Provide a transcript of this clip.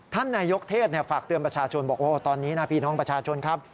ท่านนายกเทศฝากเตือนประชาชนบอกโอ้ตอนนี้นะพี่น้องประชาชนครับ